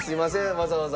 わざわざ。